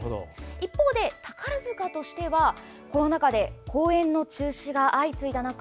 一方で、宝塚としてはコロナ禍で公演の中止が相次いだ中